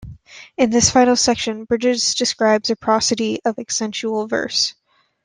In this final section, Bridges describes a prosody of accentual verse.